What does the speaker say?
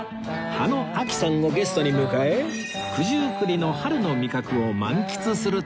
羽野晶紀さんをゲストに迎え九十九里の春の味覚を満喫する旅